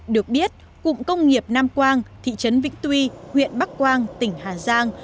được biết cụm công nghiệp nam quang thị trấn vĩnh tuy huyện bắc quang tỉnh hà giang